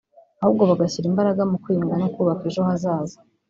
ahubwo bagashyira imbaraga mu kwiyunga no kubaka ejo hazaza